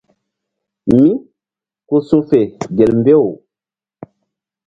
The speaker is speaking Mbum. Mí ku su̧fe gel mbew.